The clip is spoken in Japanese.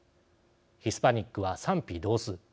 ヒスパニックは賛否同数。